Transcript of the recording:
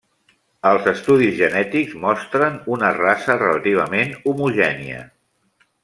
Els estudis genètics mostren una raça relativament homogènia.